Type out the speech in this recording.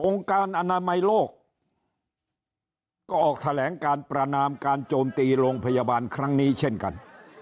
การอนามัยโลกก็ออกแถลงการประนามการโจมตีโรงพยาบาลครั้งนี้เช่นกัน